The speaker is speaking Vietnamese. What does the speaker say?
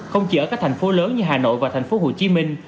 không chỉ ở các thành phố lớn như hà nội và thành phố hồ chí minh